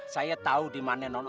saya tahu dimana neng opi